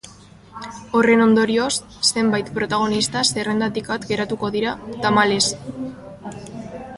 Horren ondorioz, zenbait protagonista zerrendatik at geratuko dira, tamalez.